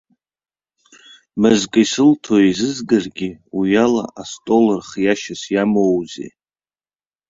Мызкы исылҭо еизызгаргьы, уиала астол рхиашьас иамоузеи!